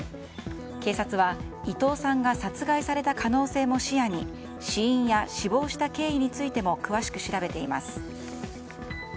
警察は、伊藤さんが殺害された可能性も視野に死因や死亡した経緯についても詳しく調べています。